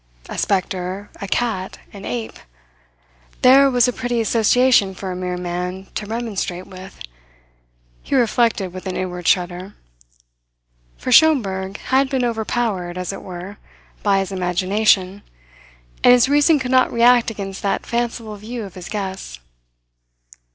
A spectre, a cat, an ape there was a pretty association for a mere man to remonstrate with, he reflected with an inward shudder; for Schomberg had been overpowered, as it were, by his imagination, and his reason could not react against that fanciful view of his guests.